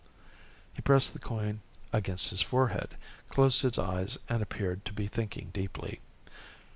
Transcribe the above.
_He pressed the coin against his forehead, closed his eyes and appeared to be thinking deeply.